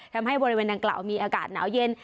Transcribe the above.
ทำให้บริเวณดังกล่าวมีอากาศหนาวเย็น